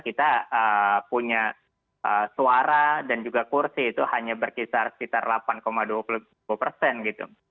kita punya suara dan juga kursi itu hanya berkisar sekitar delapan dua puluh dua persen gitu